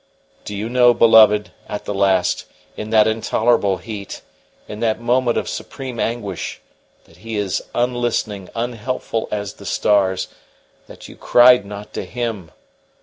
"Did you know, beloved, at the last, in that intolerable heat, in that moment of supreme anguish, that he is unlistening, unhelpful as the stars, that you cried not to him?